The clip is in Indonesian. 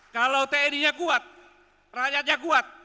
kalau tni nya kuat rakyatnya kuat